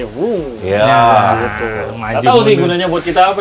tidak tahu sih gunanya buat kita apa